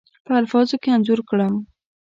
په الفاظو کې انځور کړم.